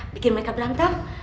bikin mereka berantem